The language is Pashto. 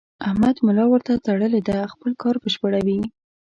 احمد ملا ورته تړلې ده؛ خپل کار بشپړوي.